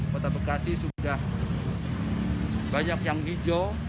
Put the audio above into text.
kota bekasi sudah banyak yang hijau